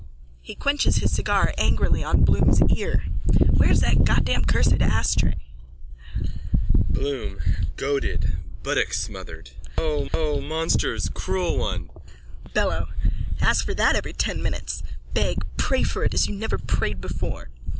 (He quenches his cigar angrily on Bloom's ear.) Where's that Goddamned cursed ashtray? BLOOM: (Goaded, buttocksmothered.) O! O! Monsters! Cruel one! BELLO: Ask for that every ten minutes. Beg. Pray for it as you never prayed before.